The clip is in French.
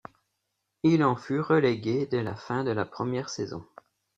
Il en fut relégué dès la fin de la première saison.